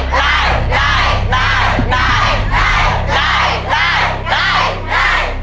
ไก่